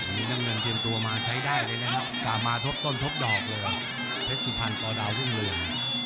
น้ำเงินเตรียมตัวมาใช้ได้เลยนะครับกลับมาทบต้นทบดอกเลยเพชรสุพรรณต่อดาวรุ่งเรือง